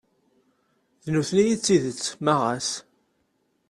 D nutni i d tidett ma ɣas.